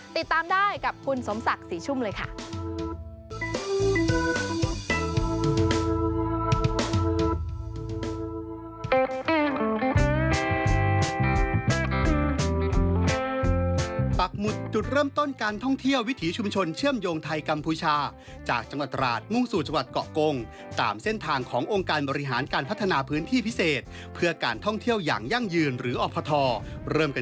ติดตามได้กับคุณสมศักดิ์ศรีชุ่มเลยค่ะ